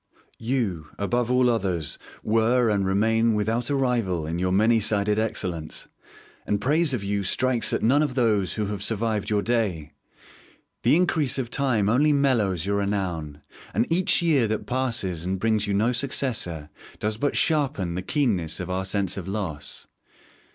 You, above all others, were and remain without a rival in your many sided excellence, and praise of you strikes at none of those who have survived your day. The increase of time only mellows your renown, and each year that passes and brings you no successor does but sharpen the keenness of our sense of loss.